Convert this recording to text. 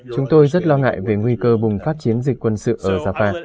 chúng tôi rất lo ngại về nguy cơ bùng phát chiến dịch quân sự ở japan